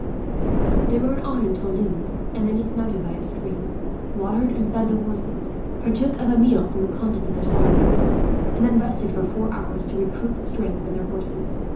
They rode on until noon, and then dismounted by a stream, watered and fed the horses, partook of a meal from the contents of their saddlebags, and then rested for four hours to recruit the strength of their horses.